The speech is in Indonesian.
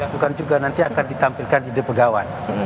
dan juga akan ditampilkan di dewa pegawan